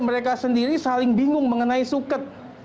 mereka sendiri saling bingung mengenai suket